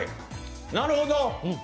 なるほど！